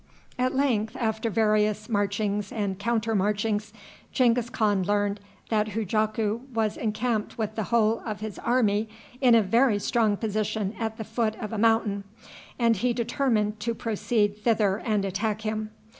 At length, after various marchings and counter marchings, Genghis Khan learned that Hujaku was encamped with the whole of his army in a very strong position at the foot of a mountain, and he determined to proceed thither and attack him.